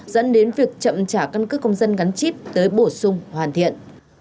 dẫn đến việc chậm trả căn cứ công dân gắn chip tới bổ sung hoàn thiện